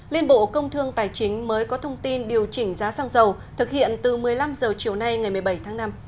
liên bộ công thương tài chính mới có thông tin điều chỉnh giá xăng dầu thực hiện từ một mươi năm h chiều nay ngày một mươi bảy tháng năm